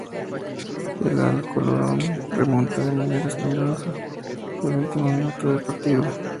El Alcorcón remonta de manera escandalosa en el último minuto del partido.